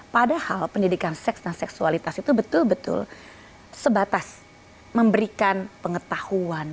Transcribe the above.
padahal pendidikan seks dan seksualitas itu betul betul sebatas memberikan pengetahuan